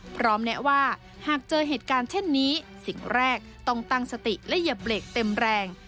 แนะว่าหากเจอเหตุการณ์เช่นนี้สิ่งแรกต้องตั้งสติและอย่าเบรกเต็มแรง